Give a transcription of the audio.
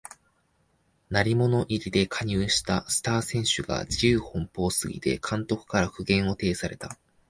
鳴り物入りで加入したスター選手が自由奔放すぎて監督から苦言を呈された